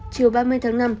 chiều ba mươi tháng năm